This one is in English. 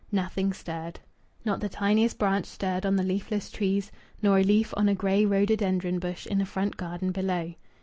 Nothing stirred. Not the tiniest branch stirred on the leafless trees, nor a leaf on a grey rhododendron bush in a front garden below.